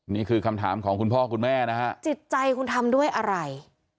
นี่คือคำถามของคุณพ่อคุณแม่นะฮะจิตใจคุณทำด้วยอะไร